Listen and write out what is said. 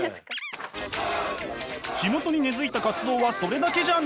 地元に根づいた活動はそれだけじゃないんです。